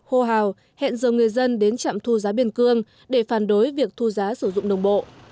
hô hào hẹn giờ người dân đến trạm thu giá biên cương để phản đối việc thu giá sử dụng đồng bộ